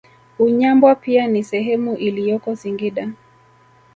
Unyambwa pia ni sehemu iliyoko Singida